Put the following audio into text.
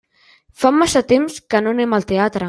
Fa massa temps que no anem al teatre.